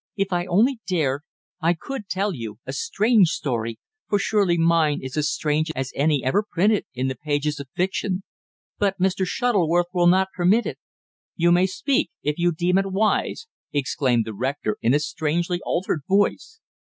If I only dared, I could tell you a strange story for surely mine is as strange as any ever printed in the pages of fiction. But Mr. Shuttleworth will not permit it." "You may speak if you deem it wise," exclaimed the rector in a strangely altered voice.